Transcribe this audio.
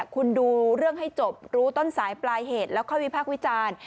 คุณดูเรื่องให้จบรู้ต้นสายปลายเหตุแล้วค่อยวิพากษ์วิจารณ์